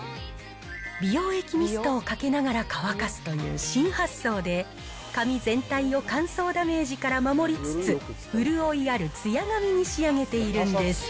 美容液ミストをかけながら乾かすという新発想で、髪全体を乾燥ダメージから守りつつ、潤いあるツヤ髪に仕上げているんです。